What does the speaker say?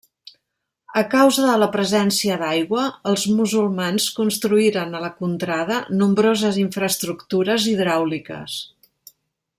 A causa de la presència d'aigua, els musulmans construïren a la contrada nombroses infraestructures hidràuliques.